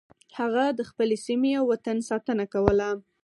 هغه د خپلې سیمې او وطن ساتنه کوله.